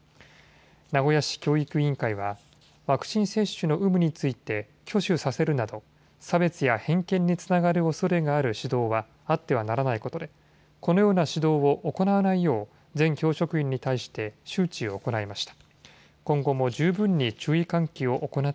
名古屋市教育委員会は、ワクチン接種の有無について挙手させるなど、差別や偏見につながるおそれがある指導はあってはならないことで、このような指導を行わないよう、全教職員に対して周知を行いました。